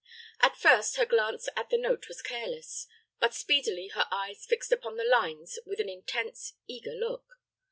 At first, her glance at the note was careless; but speedily her eyes fixed upon the lines with an intense, eager look.